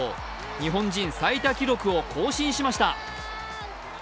日本人最多記録を更新しました。